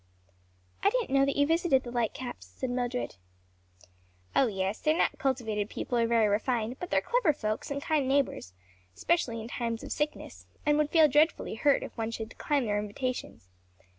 "I didn't know that you visited the Lightcaps," said Mildred. "Oh, yes; they are not cultivated people, or very refined; but they're clever folks and kind neighbors; especially in times of sickness; and would feel dreadfully hurt if one should decline their invitations.